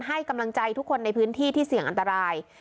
ให้กำลังใจทุกคนในพื้นที่ที่เสี่ยงอันตราย